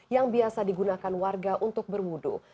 yang biasa digunakan warga untuk berwudu